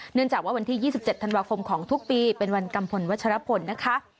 เนื่องจากว่าวันที่๒๗ธันวาคมของทุกปีเป็นวันกัมพลวัชรพลนะคะ